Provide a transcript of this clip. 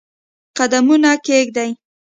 قدمونه کښېږدي